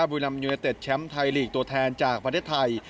บุรีรัมยูเนเต็ดแชมป์ไทยลีกตัวแทนจากประเทศไทย